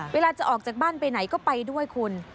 เวลาจะออกจากบ้านไปไหนก็ไปด้วยคุณ